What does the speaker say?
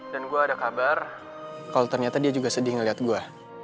dan gue ada kabar kalau ternyata dia juga sedih ngeliat gue